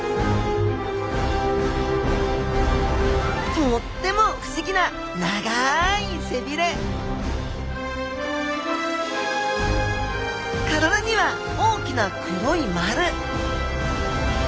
とっても不思議な長い背びれ体には大きな黒い丸